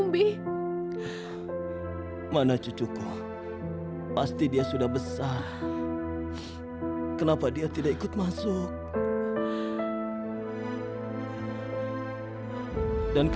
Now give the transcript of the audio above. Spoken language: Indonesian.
bapak bapak bapak